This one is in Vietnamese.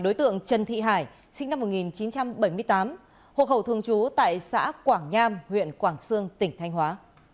đối tượng trần thị hải sinh năm một nghìn chín trăm bảy mươi tám hộ khẩu thường trú tại xã quảng nham huyện quảng sương tỉnh thanh hóa